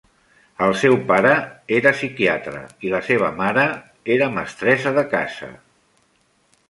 El seu pare era un psiquiatre i la seva mare era mestressa de casa.